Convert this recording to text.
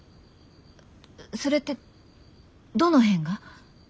それってどの辺が？